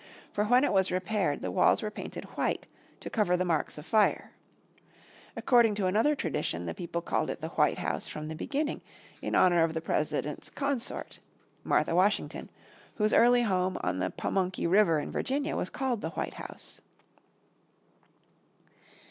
For when it was repaired the walls were painted white to cover the marks of fire. According to another tradition the people called it the White House from the beginning in honour of the first President's "consort" Martha Washington whose early home on the Pamunkey River in Virginia was called the White House.